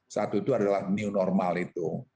satu itu adalah new normal itu